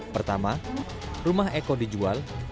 pertama rumah eko dijual